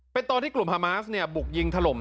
เป็นตอนที่กลุ่มฮามาสเนี่ยบุกยิงถล่ม